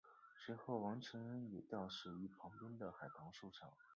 随后王承恩也吊死于旁边的海棠树上。